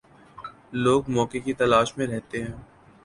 لوگ موقع کی تلاش میں رہتے ہیں۔